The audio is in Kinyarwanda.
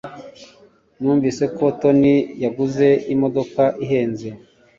Numvise ko Tony yaguze imodoka ihenze.